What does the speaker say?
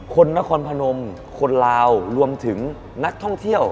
นครพนมคนลาวรวมถึงนักท่องเที่ยว